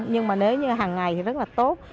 nhưng mà nếu như hàng ngày thì rất là tốt